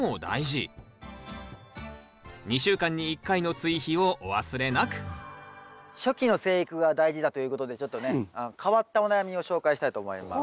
２週間に１回の追肥をお忘れなく初期の生育が大事だということでちょっとね変わったお悩みを紹介したいと思います。